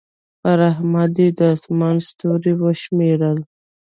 پر احمد يې د اسمان ستوري وشمېرل.